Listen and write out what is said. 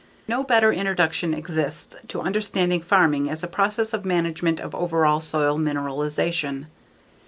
No better introduction exists to understanding farming as a process of management of overall soil mineralization.